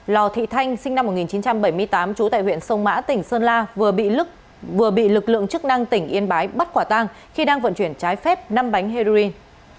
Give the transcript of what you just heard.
lò thị thanh sinh năm một nghìn chín trăm bảy mươi tám trú tại huyện sông mã tỉnh sơn la vừa bị lực lượng chức năng tỉnh yên bái bắt quả tang khi đang vận chuyển trái phép năm bánh heroin